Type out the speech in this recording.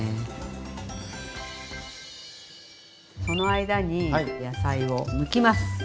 その間に野菜をむきます。